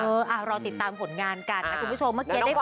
เออเราติดตามผลงานกันครับคุณพี่โชว์เมื่อกี้ได้ฟังเทียบ